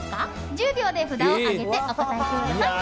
１０秒で札を上げてお答えください。